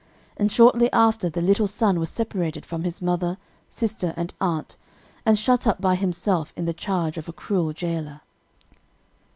And shortly after the little son was separated from his mother, sister, and aunt, and shut up by himself in the charge of a cruel jailor.